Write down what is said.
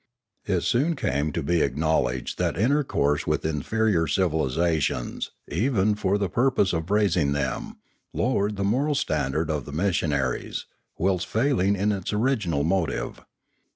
It soon came to be acknowledged that inter course with inferior civilisations, even for the purpose of raising them, lowered the moral standard of the missionaries, whilst failing in its original motive.